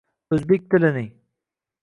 O'zbek tilining